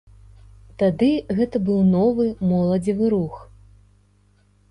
Тады гэта быў новы моладзевы рух.